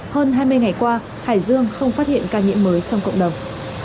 hơn hai mươi ngày qua hải dương không phát hiện ca nhiễm mới trong cộng đồng